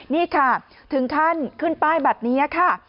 นี่ค่ะถึงขั้นขึ้นป้ายแบบนี้ค่ะ